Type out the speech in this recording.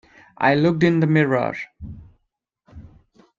I looked in the mirror.